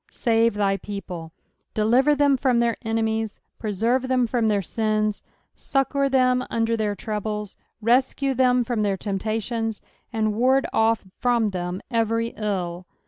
" Save thy people." Deliver tbem from their enemies, preserve them from their sins, succour them under their troubles, rescue tbem from their temptations, and ward off from tbem every ill.